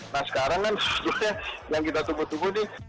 nah sekarang kan yang kita tubuh tubuh nih